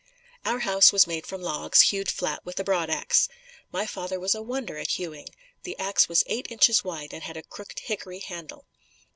Our house was made from logs hewed flat with a broadax. My father was a wonder at hewing. The ax was eight inches wide and had a crooked hickory handle.